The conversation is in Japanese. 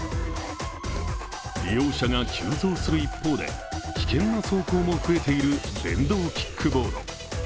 利用者が急増する一方で危険な走行も増えている電動キックボード。